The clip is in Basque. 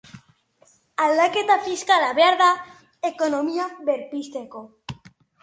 Aldaketa fiskala behar da, ekonomia berpizteko.